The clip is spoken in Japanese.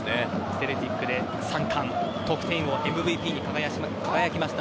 セルティックで３冠得点王、ＭＶＰに輝きました。